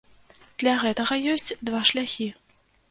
Для гэтага ёсць два шляхі.